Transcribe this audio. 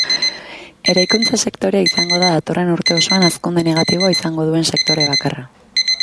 Eraikuntza sektorea izango da datorren urte osoan hazkunde negatiboa izango duen sektore bakarra.